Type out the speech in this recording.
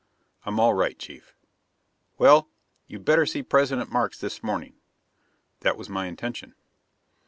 "I'm all right, Chief." "Well, you'd better see President Markes this morning." "That was my intention."